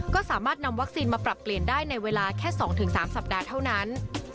ก็สามารถนำวัคซีนมาปรับเปลี่ยนได้ในเวลาแค่๒๓สัปดาห์เท่านั้น